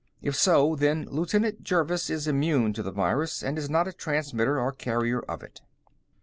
If so, then Lieutenant Jervis is immune to the virus and is not a transmitter or carrier of it.